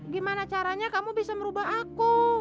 gimana caranya kamu bisa merubah aku